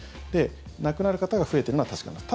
亡くなる方が増えてるのは確かなんです。